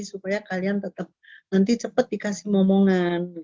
supaya kalian tetap nanti cepat dikasih momongan